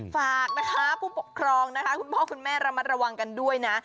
ฝากนะคะผู้ปกครองนะคะคุณพ่อคุณแม่ระมัดระวังกันด้วยนะ